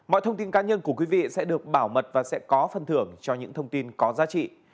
mọi thông tin cá nhân của quý vị sẽ được bảo mật và sẽ có phần thưởng cho những thông tin có giá trị